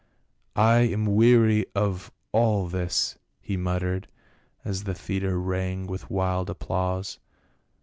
" I am weary of all this," he muttered, as the theatre rang with wild applause.